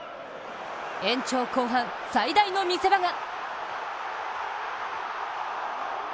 延長後半、最大の見せ場が。